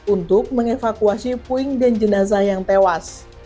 untuk mengevakuasi puing dan jenazah yang tewas